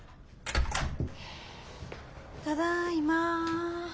ただいま。